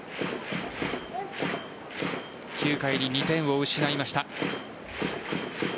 ９回に２点を失いました。